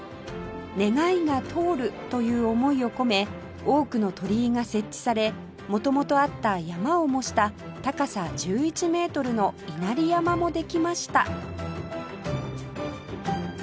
「願いが通る」という思いを込め多くの鳥居が設置され元々あった山を模した高さ１１メートルの稲荷山もできました